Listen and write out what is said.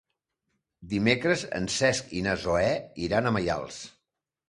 Dimecres en Cesc i na Zoè iran a Maials.